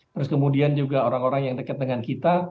terus kemudian juga orang orang yang dekat dengan kita